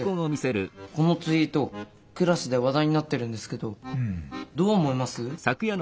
このツイートクラスで話題になってるんですけどどう思います？